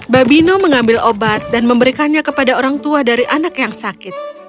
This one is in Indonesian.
babino mengambil obat dan memberikannya kepada orang tua dari anak yang sakit